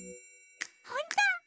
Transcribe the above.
ほんと！？